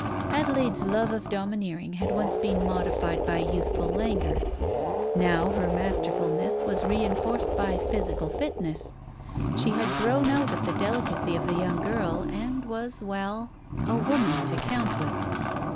Adelaide's love of domineering had once been modified by youthful languor; now her masterfulness was reinforced by physical fitness. She had grown out of the delicacy of the young girl, and was well, a woman to count with.